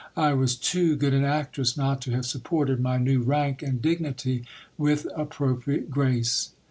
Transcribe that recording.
I was too good an actress not to have supported my new rank and dignity with ap propriate grace.